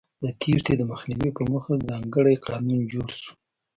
د تېښتې د مخنیوي په موخه ځانګړی قانون جوړ شو.